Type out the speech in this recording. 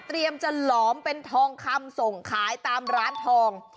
จะหลอมเป็นทองคำส่งขายตามร้านทอง